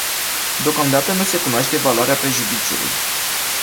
Deocamdată nu se cunoaște valoarea prejudiciului.